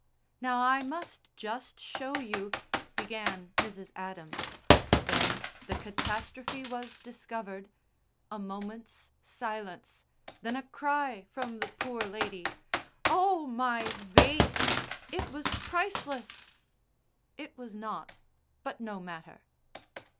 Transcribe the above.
"Now I must just show you," began Mrs. Adams. Then the catastrophe was discovered a moment's silence, then a cry from the poor lady: "Oh, my vase! It was priceless!" (It was not, but no matter.)